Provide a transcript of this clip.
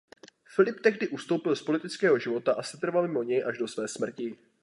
Filip tehdy ustoupil z politického života a setrval mimo něj až do své smrti.